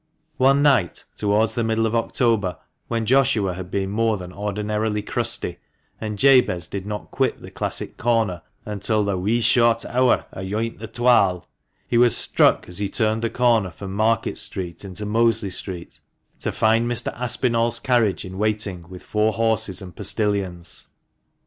One night, towards the middle of October, when Joshua had been more than ordinarily crusty, and Jabez did not quit the classic corner until the " wee short hour ayont the twal," he was struck as he turned the corner from Market Street into Mosley Street to find Mr. Aspinall's carriage in waiting with four horses and postilions.